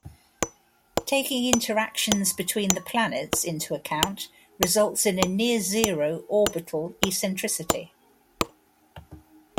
Taking interactions between the planets into account results in a near-zero orbital eccentricity.